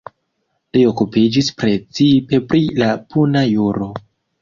Li okupiĝis precipe pri la puna juro.